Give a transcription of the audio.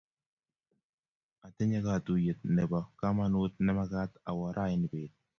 atinye katuyet ne po kamanut ne magat awo raini pet